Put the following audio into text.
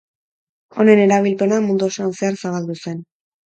Honen erabilpena mundu osoan zehar zabaldu zen.